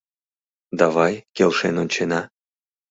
Давай келшен ончена.